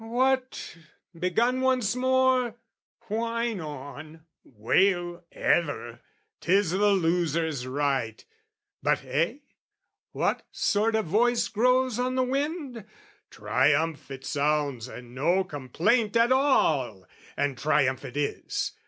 "What, begun once more? "Whine on, wail ever, 'tis the loser's right!" But eh, what sort of voice grows on the wind? Triumph it sounds and no complaint at all! And triumph it is!